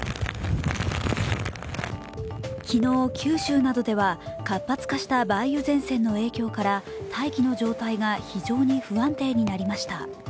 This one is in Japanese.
昨日、九州などでは活発化した梅雨前線の影響などから大気の状態が非常に不安定になりました。